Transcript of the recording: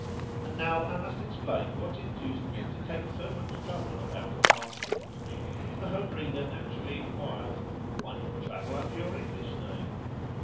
And now I must explain what induced me to take so much trouble about a passport. The home reader naturally inquires, Why not travel under your English name?